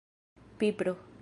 pipro